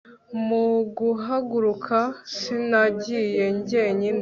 mu guhaguruka sinagiye jyenyine